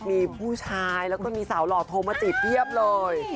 มีผู้ชายแล้วก็มีสาวหล่อโทรมาจีบเพียบเลย